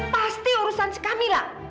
pasti urusan si camila